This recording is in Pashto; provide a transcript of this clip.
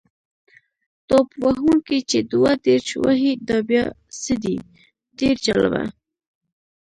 توپ وهونکی چې دوه دېرش وهي دا بیا څه دی؟ ډېر جالبه.